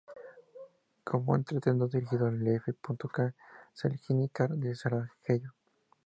Como entrenador dirigió al F. K. Željezničar de Sarajevo.